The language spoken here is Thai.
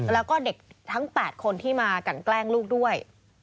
แล้วก็เด็กทั้ง๘คนที่มากันแกล้งลูกด้วย